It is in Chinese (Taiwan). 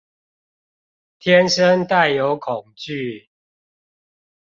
天生帶有恐懼